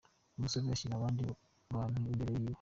Umusore ushyira abandi bantu imbere yawe.